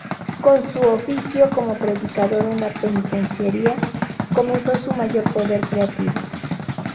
Con su oficio como predicador en la penitenciaría comenzó su mayor poder creativo.